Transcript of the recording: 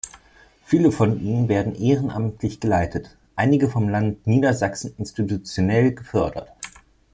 Viele von ihnen werden ehrenamtlich geleitet, einige vom Land Niedersachsen institutionell gefördert.